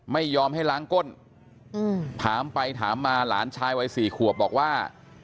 ไม่ยอมให้ล้างก้นถามไปถามมาหลานชายวัย๔ขวบบอกว่า